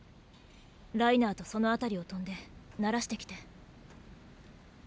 ライナーとその辺りを飛んで慣らしてきて。